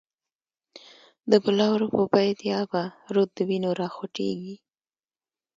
د بلورو په بید یا به، رود د وینو را خوټیږی